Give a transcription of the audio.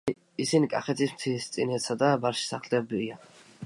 ისინი კახეთის მთისწინეთსა და ბარში სახლდებიან.